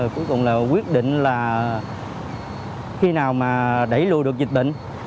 cuối cùng là quyết định là khi nào mà đẩy lùi được dịch bệnh